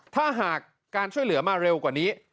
ถ้าหากการช่วยเหลือมาเร็วกว่านี้